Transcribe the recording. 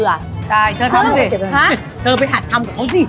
เธอไปหั่ดทำกับเขาซิ